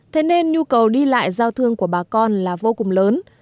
thế nên nhu cầu đi lại giao thương của bà con là vô cùng lớn